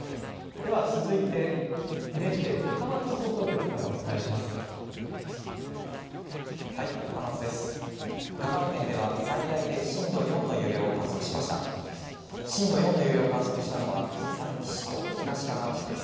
では続いてＮＨＫ高松放送局からお伝えします。